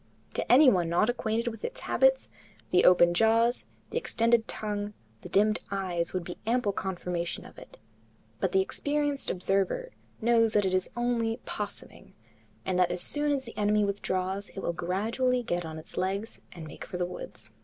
To anyone not acquainted with its habits, the open jaws, the extended tongue, the dimmed eyes would be ample confirmation of it, but the experienced observer knows that it is only "'possuming," and that as soon as the enemy withdraws it will gradually get on its legs and make for the woods.